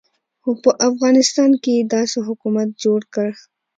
خو په افغانستان کې یې داسې حکومت جوړ کړ.